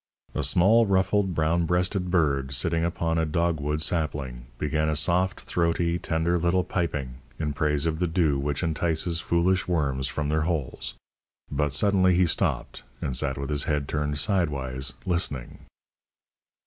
A small, ruffled, brown breasted bird, sitting upon a dog wood sapling, began a soft, throaty, tender little piping in praise of the dew which entices foolish worms from their holes; but suddenly he stopped, and sat with his head turned sidewise, listening.